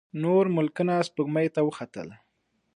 نور ملکونه سپوږمۍ ته وختل.